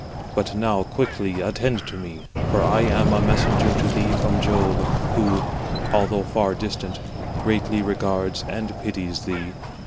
But now quickly attend to me; for I am a messenger to thee from Jove, who, although far distant, greatly regards and pities thee.